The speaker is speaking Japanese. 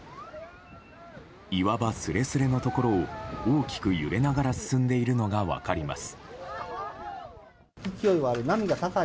岩場すれすれのところを大きく揺れながら進んでいるのが分かります。